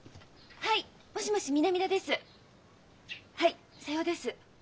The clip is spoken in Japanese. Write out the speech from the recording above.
はいさようです。